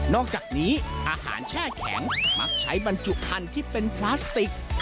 อกจากนี้อาหารแช่แข็งมักใช้บรรจุพันธุ์ที่เป็นพลาสติก